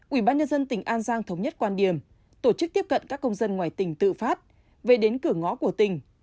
ubnd tỉnh an giang thống nhất quan điểm tổ chức tiếp cận các công dân ngoài tỉnh tự phát về đến cửa ngõ của tỉnh